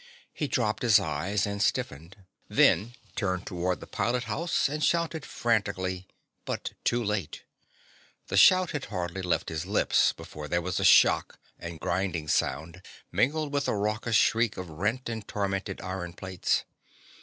He dropped his eyes and stiffened, then turned toward the pilot house and shouted frantically, but too late. The shout had hardly left his lips before there was a shock and grinding sound, mingled with the raucous shriek of rent and tormented iron plates.